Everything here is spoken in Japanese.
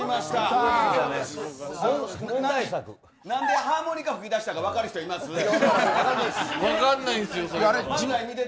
なんでハーモニカ吹き出したか分かる人います？